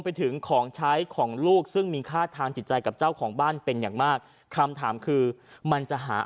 ไปถึงของใช้ของลูกซึ่งมีค่าทางจิตใจกับเจ้าของบ้านเป็นอย่างมากคำถามคือมันจะหา